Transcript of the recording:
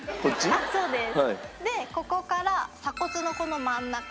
あっそうです。